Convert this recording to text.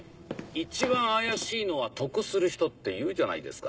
一番怪しいのは得する人っていうじゃないですか。